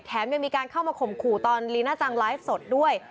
ยังมีการเข้ามาข่มขู่ตอนลีน่าจังไลฟ์สดด้วย